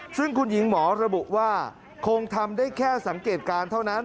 ซึ่งคุณหญิงหมอระบุว่าคงทำได้แค่สังเกตการณ์เท่านั้น